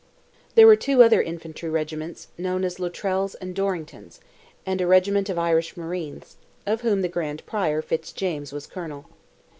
There were two other infantry regiments, known as Luttrel's and Dorrington's—and a regiment of Irish marines, of which the Grand Prior, Fitzjames, was colonel.